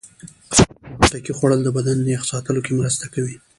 د خټکي خوړل د بدن یخ ساتلو کې مرسته کوي.